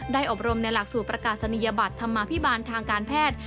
อบรมในหลักสูตรประกาศนียบัตรธรรมาภิบาลทางการแพทย์